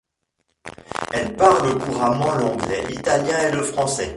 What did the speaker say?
Elle parle couramment l'anglais, l'italien et le français.